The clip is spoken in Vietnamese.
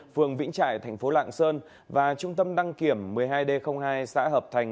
phường vĩnh trải tp lạng sơn và trung tâm đăng kiểm một mươi hai d hai xã hợp thành